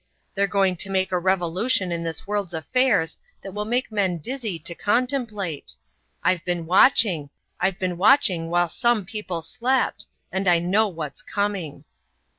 They're going to make a revolution in this world's affairs that will make men dizzy to contemplate. I've been watching I've been watching while some people slept, and I know what's coming.